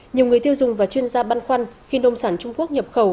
nhiều người tiêu dùng và chuyên gia băn khoăn khi nông sản trung quốc nhập khẩu